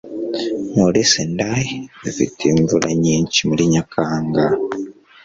Muri Sendai, dufite imvura nyinshi muri Nyakanga.